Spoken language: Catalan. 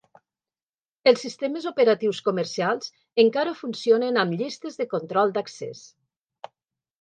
Els sistemes operatius comercials encara funcionen amb llistes de control d'accés.